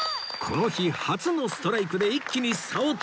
この日初のストライクで一気に差を詰める！